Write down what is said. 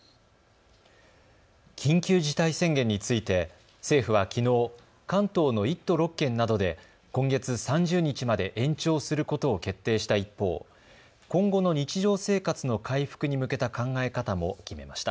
緊急事態宣言について政府はきのう関東の１都６県などで今月３０日まで延長することを決定した一方、今後の日常生活の回復に向けた考え方も決めました。